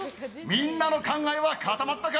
みんなの考えは固まったか？